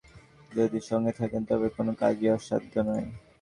কিন্তু বাংলাদেশের সংস্কৃতিপ্রিয় মানুষ যদি সঙ্গে থাকেন, তবে কোনো কাজই অসাধ্য নয়।